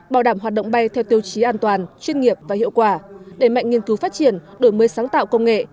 bảo đảm hoạt động bay theo tiêu chí an toàn chuyên nghiệp và hiệu quả để mạnh nghiên cứu phát triển đổi mới sáng tạo công nghệ